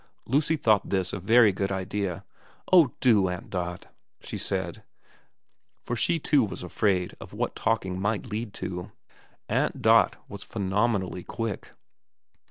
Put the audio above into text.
Lucy thought this a very good idea. ' Oh do, Aunt Dot,' she said ; for she too was afraid of what talking might lead to. Aunt Dot was phenomenally quick.